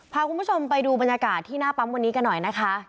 พาคุณผู้ชมไปดูบรรยากาศที่หน้าปั๊มวันนี้กันหน่อยนะคะ